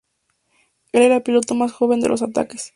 Él era el piloto más joven de los ataques.